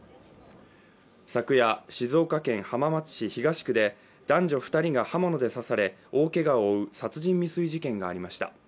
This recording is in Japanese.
昨夜、静岡県浜松市東区で男女２人が刃物で刺され大けがを負う殺人未遂事件がありました。